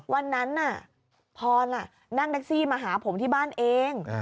วันนั้นน่ะพรนั่งแท็กซี่มาหาผมที่บ้านเอง